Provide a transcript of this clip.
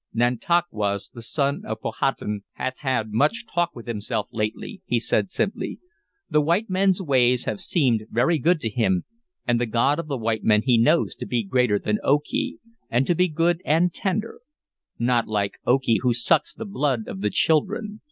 "Nantauquas, the son of Powhatan, hath had much talk with himself lately," he said simply. "The white men's ways have seemed very good to him, and the God of the white men he knows to be greater than Okee, and to be good and tender; not like Okee, who sucks the blood of the children.